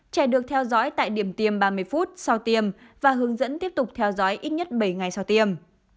trẻ được theo dõi tại điểm tiêm ba mươi phút sau tiêm và hướng dẫn tiếp tục theo dõi ít nhất bảy ngày sau tiêm